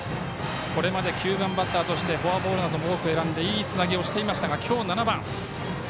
これまで９番バッターとしてフォアボールなども多く選んでいいつなぎをしてきましたが今日、７番。